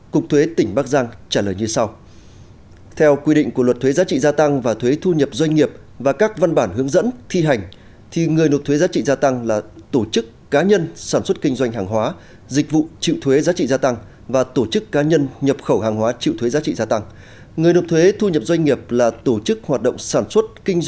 cục thuế tỉnh bắc giang trả lời như sau